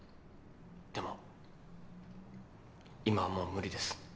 でも今はもう無理です。